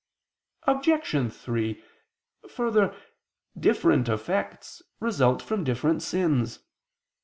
Obj. 3: Further, different effects result from different sins.